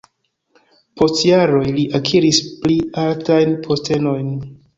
Post jaroj li akiris pli altajn postenojn.